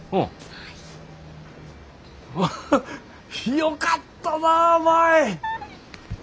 よかったなぁ舞！